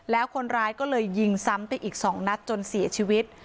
แล้วคนร้ายก็เลยยิงซ้ำไปอีก๒นัดจนเสียชีวิต